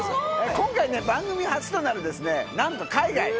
今回ね番組初となるなんと海外。